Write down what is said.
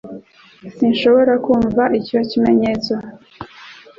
Sinshobora kumva icyo kimenyetso